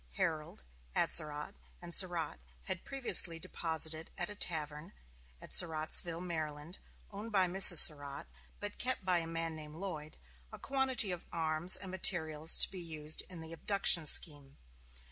Herold, Atzerodt, and Surratt had previously deposited at a tavern at Surrattsville, Maryland, owned by Mrs. Surratt, but kept by a man named Lloyd, a quantity of arms and materials to be used in the abduction scheme.